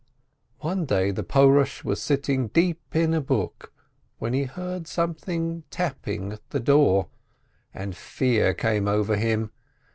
One day the Porosb was sitting deep in a book, when be beard somefliing tapping at the door, and fear came over him.